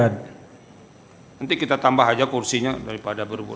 nanti kita tambah saja kursinya daripada berubur